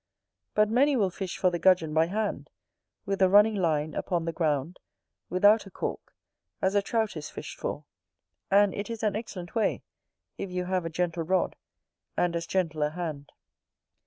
But many will fish for the Gudgeon by hand, with a running line upon the ground, without a cork, as a Trout is fished for: and it is an excellent way, if you have a gentle rod, and as gentle a hand.